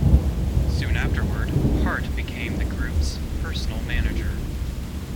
Soon afterward, Hart became the group's personal manager.